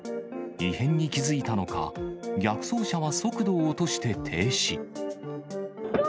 異変に気付いたのか、逆走車は速度を落として停止。